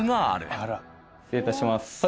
失礼いたします。